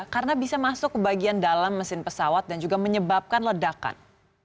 karena bisa masuk ke bagian dalam mesin pesawat dan juga menyebabkan ledakan